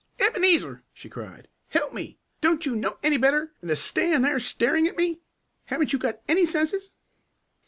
"Ebenezer!" she cried. "Help me! Don't you know any better than to stand there staring at me? Haven't you got any senses?"